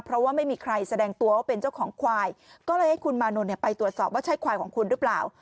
เพราะว่าไม่มีใครแสดงตัวว่าเป็นเจ้าของควายก็เลยให้คุณมานนท์ไปตรวจสอบว่าใช่ควายของคุณหรือเปล่า